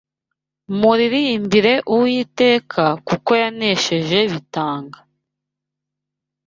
Muririmbire Uwiteka, kuko yanesheje bitanga